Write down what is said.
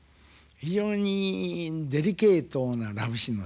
非常にデリケートなラブシーンのしかた。